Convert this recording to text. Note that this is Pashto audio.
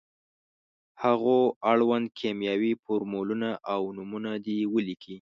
هغو اړوند کیمیاوي فورمولونه او نومونه دې ولیکي.